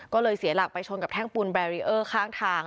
ก็เลยเสียหลักไปชนกับแท่งปูนแบรีเออร์ข้างทาง